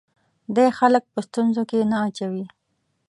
دی خلک په ستونزو کې نه اچوي.